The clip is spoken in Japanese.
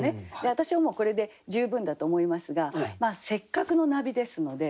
私はもうこれで十分だと思いますがせっかくのナビですので。